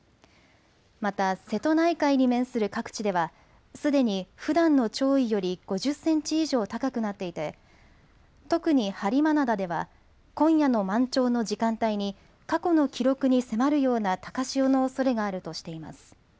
また瀬戸内海に面する各地では、すでにふだんの潮位より５０センチ以上高くなっていて、特に播磨灘では、今夜の満潮の時間帯に、過去の記録に迫るような高潮のおそれがあるとしています。